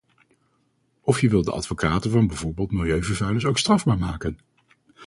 Of wil je de advocaten van bijvoorbeeld milieuvervuilers ook strafbaar maken?